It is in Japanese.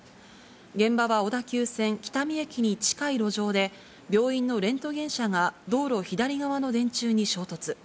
現場は小田急線喜多見駅に近い路上で、病院のレントゲン車が道路左側の電柱に衝突。